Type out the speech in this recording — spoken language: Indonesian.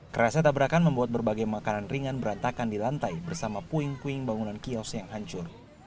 kerasa tabrakan membuat berbagai makanan ringan berantakan di lantai bersama puing puing bangunan kios yang hancur